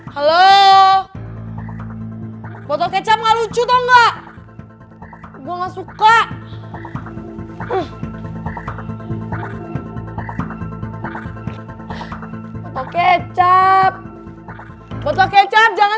halo botol kecap malu judo enggak gua enggak suka kecap botol kecap jangan